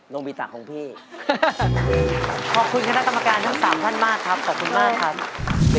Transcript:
ขอบคุณมากครับ